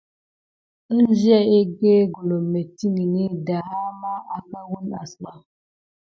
Ənzia egge gulom mettiŋgini daha mà aka wune asba.